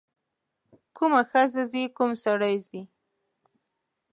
کومه ښځه ځي کوم سړی ځي.